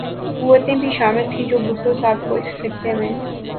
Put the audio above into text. قوتیں بھی شامل تھیں جو بھٹو صاحب کو اس خطے میں